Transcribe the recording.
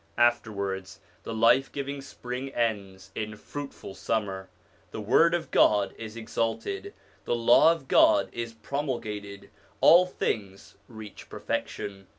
Afterwards the life giving spring ends in fruitful summer. The word of God is exalted, the Law of God is promulgated; all things reach perfection.